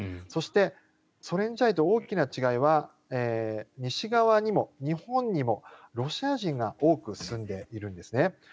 そして、ソ連時代と大きな違いは西側にも日本にもロシア人が多く住んでいるんですね。